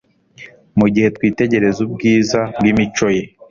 Mu gihe twitegereza ubwiza bw'imico Ye,